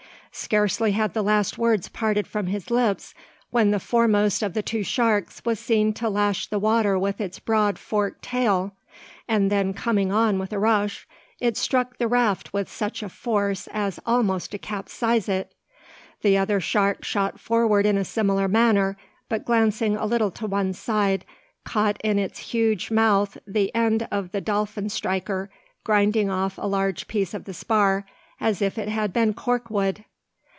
Scarcely had the last words parted from his lips, when the foremost of the two sharks was seen to lash the water with its broad forked tail, and then coming on with a rush, it struck the raft with such a force as almost to capsize it. The other shark shot forward in a similar manner; but glancing a little to one side, caught in its huge mouth the end of the dolphin striker, grinding off a large piece of the spar as if it had been cork wood!